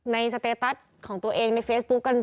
สเตตัสของตัวเองในเฟซบุ๊กกัน